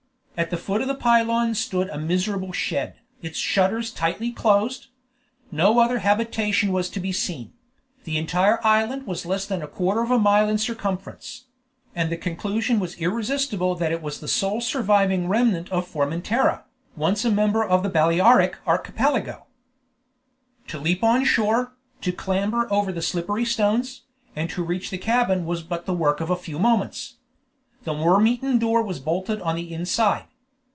At the foot of the pylone stood a miserable shed, its shutters tightly closed. No other habitation was to be seen; the entire island was less than a quarter of a mile in circumference; and the conclusion was irresistible that it was the sole surviving remnant of Formentera, once a member of the Balearic Archipelago. To leap on shore, to clamber over the slippery stones, and to reach the cabin was but the work of a few moments. The worm eaten door was bolted on the inside.